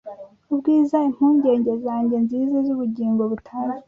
Ubwiza impungenge zanjye nziza zubugingo butazwi